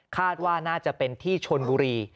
คาดว่าน่าจะเป็นที่ชนบุรี